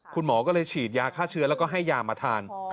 คุณหมอก็เลยฉีดยาฆ่าเชื้อแล้วก็ให้ยามาทาน